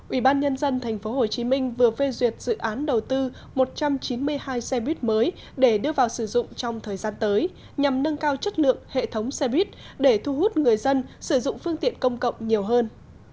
ủy ban nhân dân tp hcm vừa phê duyệt dự án đầu tư một trăm chín mươi hai xe buýt mới để đưa vào sử dụng trong thời gian tới nhằm nâng cao chất lượng hệ thống xe buýt để thu hút người dân sử dụng phương tiện công cộng nhiều hơn